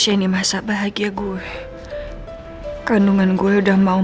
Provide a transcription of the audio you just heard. kapanpun aku mau